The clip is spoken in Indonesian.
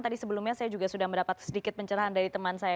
tadi sebelumnya saya juga sudah mendapat sedikit pencerahan dari teman saya